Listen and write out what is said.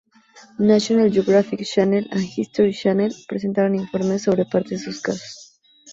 National Geographic Channel y History Channel presentaron informes sobre partes de sus casos.